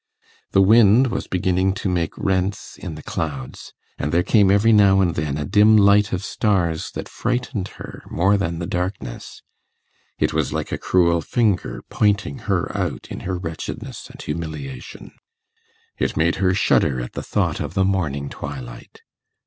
The wind was beginning to make rents in the clouds, and there came every now and then a dim light of stars that frightened her more than the darkness; it was like a cruel finger pointing her out in her wretchedness and humiliation; it made her shudder at the thought of the morning twilight.